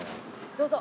どうぞ。